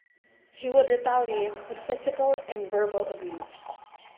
He would retaliate with physical and verbal abuse.